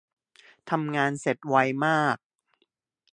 ทำงานเสร็จไวมาก